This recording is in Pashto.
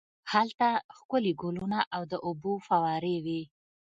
هلته ښکلي ګلونه او د اوبو فوارې وې.